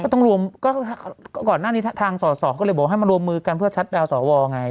ต้องรวมก็ก่อนหน้านี้ทางสอสอก็เลยบอกให้มารวมมือกันเพื่อชัดดาวนสวไง